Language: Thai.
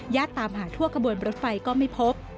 ตามหาทั่วกระบวนรถไฟก็ไม่พบ